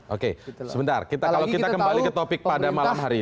oke sebentar kalau kita kembali ke topik pada malam hari ini